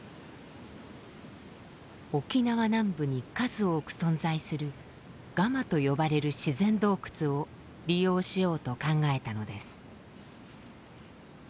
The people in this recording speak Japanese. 沖縄南部に数多く存在する「ガマ」と呼ばれる自然洞窟を利用しようと考えたのです。